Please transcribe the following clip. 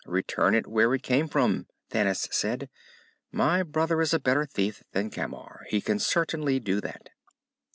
"Return it where it came from," Thanis said. "My brother is a better thief than Camar. He can certainly do that."